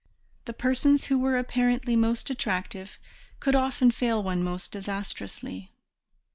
The persons who were apparently most attractive could often fail one most disastrously.